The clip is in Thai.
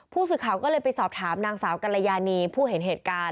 ผู้สื่อข่าวก็เลยไปสอบถามนางสาวกรยานีผู้เห็นเหตุการณ์